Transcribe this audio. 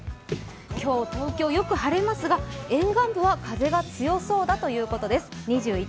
今日、東京はよく晴れますが、沿岸部は風が強そうだということです。